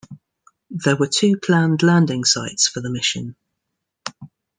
There were two planned landing sites for the mission.